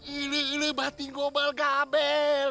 ini ini batik gobal gabel